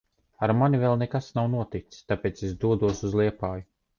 Ar mani vēl nekas nav noticis. Tāpēc es dodos uz Liepāju.